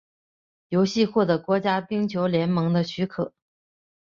游戏获得国家冰球联盟的许可。